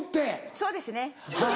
そうですね。